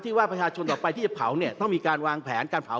ว่าประชาชนต่อไปที่จะเผาเนี่ยต้องมีการวางแผนการเผา